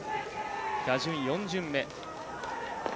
打順４巡目。